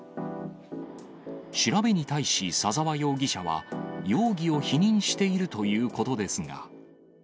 調べに対し左沢容疑者は、容疑を否認しているということですが。